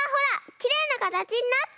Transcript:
きれいなかたちになった！